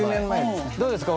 どうですか？